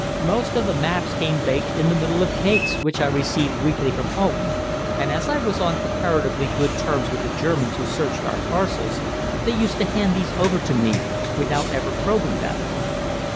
Most of the maps came baked in the middle of cakes which I received weekly from home, and as I was on comparatively good terms with the Germans who searched our parcels, they used to hand these over to me without ever probing them.